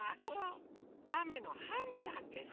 カメのはんちゃんです。